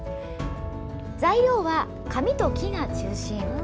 材料は、紙と木が中心。